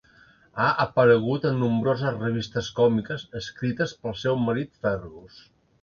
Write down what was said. Ha aparegut en nombroses revistes còmiques escrites pel seu marit Fergus.